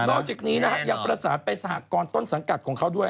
นอกจากนี้นะฮะยังประสานไปสหกรต้นสังกัดของเขาด้วย